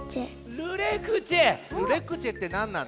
ルレクチェってなんなの？